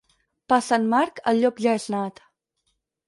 Per Sant Marc, el llop ja és nat.